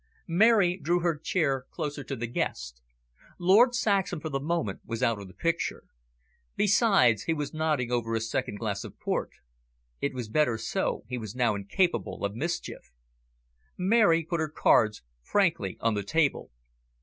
Mary drew her chair closer to the guest. Lord Saxham, for the moment, was out of the picture. Besides, he was nodding over his second glass of port. It was better so, he was now incapable of mischief. Mary put her cards frankly on the table.